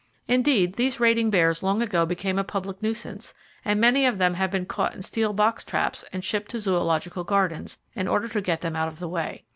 Indeed, those raiding bears long ago became a public nuisance, and many of them have been caught in steel box traps and shipped to zoological gardens, in order to get them out of the way.